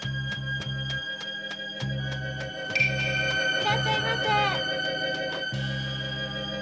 いらっしゃいませ！